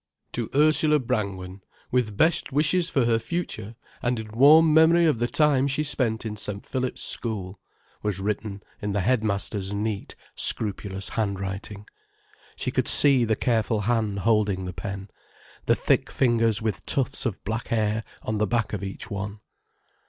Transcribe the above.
"To Ursula Brangwen, with best wishes for her future, and in warm memory of the time she spent in St. Philip's School," was written in the headmaster's neat, scrupulous handwriting. She could see the careful hand holding the pen, the thick fingers with tufts of black hair on the back of each one.